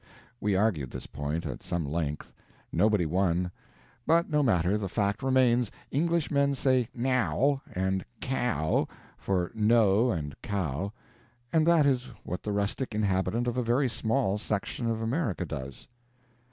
We argued this point at some length; nobody won; but no matter, the fact remains Englishmen say nao and kaow for "know" and "cow," and that is what the rustic inhabitant of a very small section of America does.